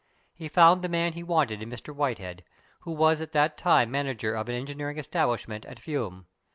He found the man he wanted in Mr. Whitehead, who was at that time manager of an engineering establishment at Fiume.